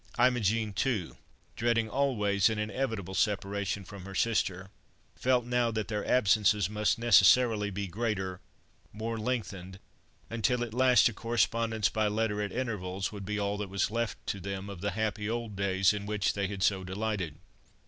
Imogen too, dreading always an inevitable separation from her sister, felt now that their absences must necessarily be greater, more lengthened, until at last a correspondence by letter at intervals would be all that was left to them of the happy old days in which they had so delighted.